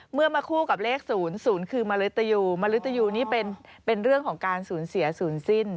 เมื่อมาคู่กับเลข๐๐คือมริตยูมริตยูนี่เป็นเรื่องของการสูญเสียศูนย์สิ้น